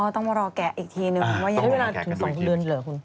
อ๋อต้องมารอแกะอีกทีหนึ่ง